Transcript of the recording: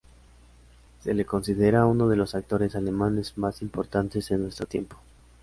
Se le considera uno de los actores alemanes más importantes de nuestro tiempo.